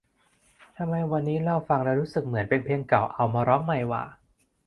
ทำไมวันนี้เราฟังแล้วรู้สึกเหมือนเป็นเพลงเก่าเอามาร้องใหม่หว่า